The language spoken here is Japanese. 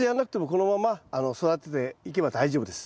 このまま育てていけば大丈夫です。